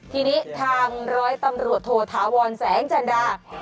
ทีนี้ทางร้อยตำรวจโทธาวรแสงจันดา